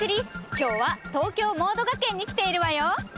今日は東京モード学園に来ているわよ。